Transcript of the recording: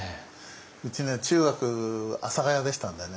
うちね中学阿佐ヶ谷でしたんでね。